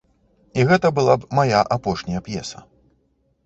І гэта была б мая апошняя п'еса.